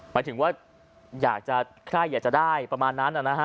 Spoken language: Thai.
หมายถึงว่าใครอยากจะได้ประมาณนั้นน่ะนะฮะ